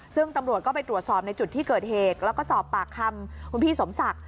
ซึ่งตำรวจก็ไปตรวจสอบในจุดที่เกิดเหตุแล้วก็สอบปากคำคุณพี่สมศักดิ